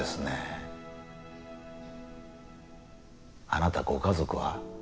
あなたご家族は？